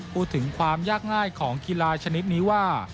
พูดถึงความยากง่ายของกีฬาชนิดนี้ว่า